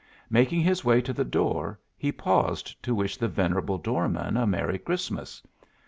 Making his way to the door, he paused to wish the venerable doorman a Merry Christmas.